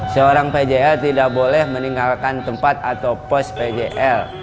seorang pjl tidak boleh meninggalkan tempat atau pos pjl